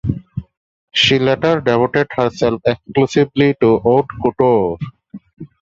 She later devoted herself exclusively to haute couture.